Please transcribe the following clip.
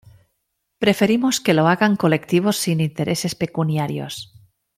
preferimos que lo hagan colectivos sin intereses pecuniarios.